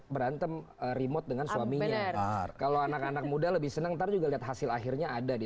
berantem remote dengan suaminya kalau anak anak muda lebih senang ntar juga lihat hasil akhirnya ada di